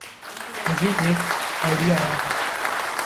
مجھے ایک آئڈیا آیا تھا۔